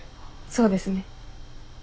そうですね。